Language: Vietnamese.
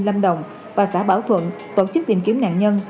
lâm đồng và xã bảo thuận tổ chức tìm kiếm nạn nhân